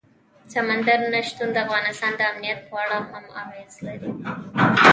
سمندر نه شتون د افغانستان د امنیت په اړه هم اغېز لري.